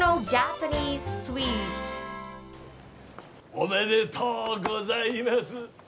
おめでとうございます。